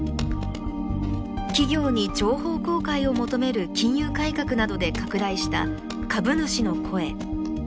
企業に情報公開を求める金融改革などで拡大した株主の声。